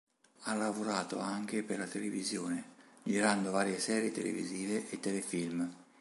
Ha lavorato anche per la televisione, girando varie serie televisive e telefilm.